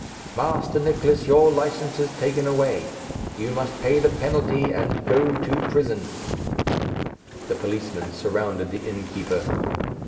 Master Nicless, your licence is taken away; you must pay the penalty, and go to prison." The policemen surrounded the innkeeper.